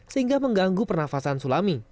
sehingga mengganggu pernafasan sulami